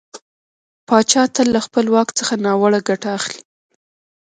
پاچا تل له خپله واک څخه ناوړه ګټه اخلي .